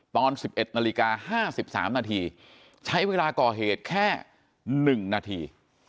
ตอน๑๑นาฬิกา๕๓นาทีใช้เวลาก่อเหตุแค่๑นาที